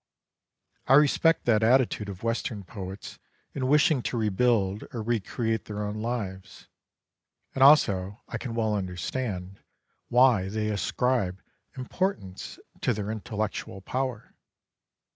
I respect that attitude of Western poets in wishing to , rebuild or recreate their own lives ; and also I can well understand why they ascribe importance to their intellectual power.